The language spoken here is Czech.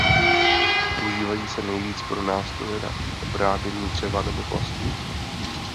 Používají se nejvíce pro nástroje na obrábění dřeva nebo plastů.